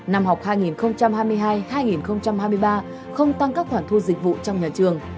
năm học hai nghìn hai mươi hai hai nghìn hai mươi ba không tăng các khoản thu dịch vụ trong nhà trường